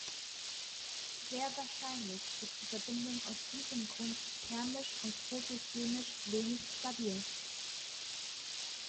Sehr wahrscheinlich ist die Verbindung aus diesem Grund thermisch und photochemisch wenig stabil.